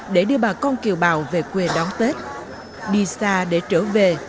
để đưa bà con kiều bào về quê đón tết đi xa để trở về